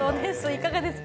いかがですか？